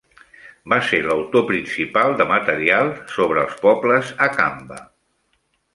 Va ser l'autor principal de materials sobre els pobles akamba.